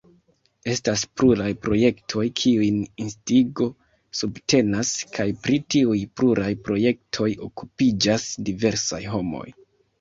Estas pluraj projektoj, kiujn Instigo subtenas, kaj pri tiuj pluraj projektoj okupiĝas diversaj homoj.